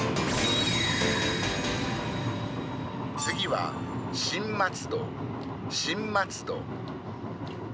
次は新松戸、新松戸。